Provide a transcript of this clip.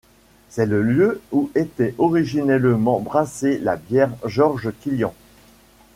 C'est le lieu où était originellement brassée la bière George Killian's.